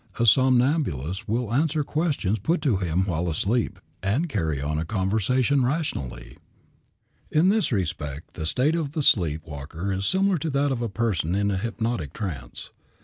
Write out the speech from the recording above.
A somnambulist will answer questions put to him while asleep and carry on a conversation rationally. In this respect the state of the sleep walker is similar to that of a person in a hypnotic trance.